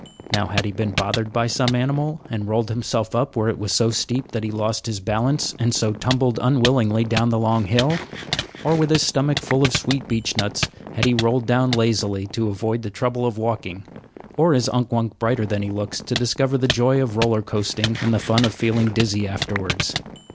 Now had he been bothered by some animal and rolled himself up where it was so steep that he lost his balance, and so tumbled unwillingly down the long hill; or, with his stomach full of sweet beechnuts, had he rolled down lazily to avoid the trouble of walking; or is Unk Wunk brighter than he looks to discover the joy of roller coasting and the fun of feeling dizzy afterwards?